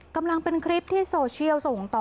กำลังเป็นคลิปที่โซเชียลส่งต่อ